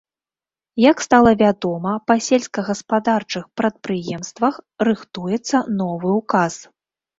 Як стала вядома, па сельскагаспадарчых прадпрыемствах рыхтуецца новы ўказ.